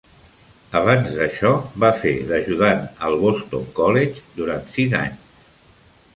Abans d'això va fer d'ajudant al Boston College durant sis anys.